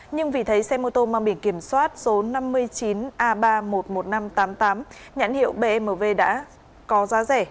nhưng vì thấy xe mô tô mang biển kiểm soát số năm mươi chín a ba trăm một mươi một nghìn năm trăm tám mươi tám nhãn hiệu bmw đã có giá rẻ